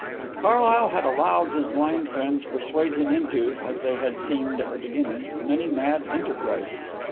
Carlyle had allowed his blind friend to persuade him into as they had seemed at the beginning many mad enterprises.